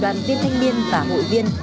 và vận động đoàn viên thanh niên và hội viên